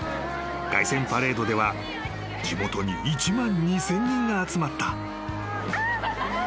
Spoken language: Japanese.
［凱旋パレードでは地元に１万２，０００人が集まった］